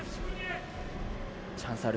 チャンスはある。